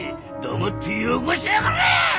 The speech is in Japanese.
黙ってよこしやがれ！